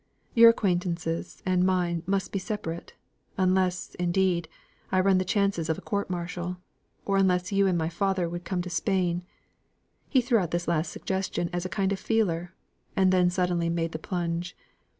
Your acquaintances and mine must be separate. Unless, indeed, I run the chances of a court martial, or unless you and my father would come to Spain." He threw out this last suggestion as a kind of feeler; and then suddenly made the plunge.